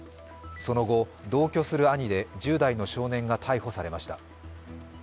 その後、同居する兄で１０代の少年が逮捕されました。